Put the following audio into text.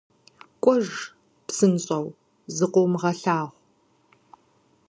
- КӀуэж, псынщӀэу, закъыумыгъэлъагъу!